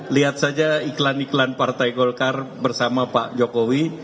lihat saja iklan iklan partai golkar bersama pak jokowi